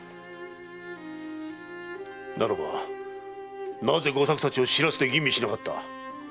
ならばなぜ吾作たちを白州で吟味しなかった？